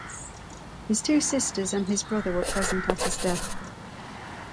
His two sisters and his brother were present at his death.